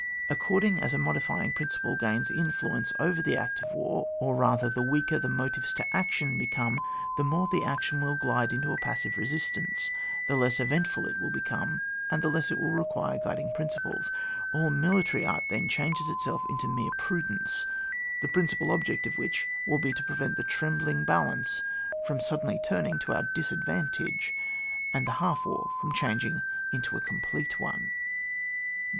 Accord ing as a modifying principle gains in fluence over the act of war, or rather, the weaker the motives to action become, the more the action will glide into a passive resistemce, the less eventful it will become, and tiie less it will require guiding principles. All military art then changes itself into mere prudence, the principal object of which will be to pre vent the trembling balance from suddenly turning to our disadvantage, and the half war from changing into a complete one.